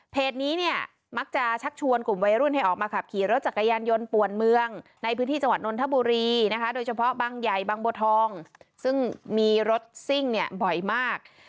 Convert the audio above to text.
นี้เนี่ยมักจะชักชวนกลุ่มวัยรุ่นให้ออกมาขับขี่รถจักรยานยนต์ป่วนเมืองในพื้นที่จังหวัดนนทบุรีนะคะโดยเฉพาะบางใหญ่บางบัวทองซึ่งมีรถซิ่งเนี่ยบ่อยมาก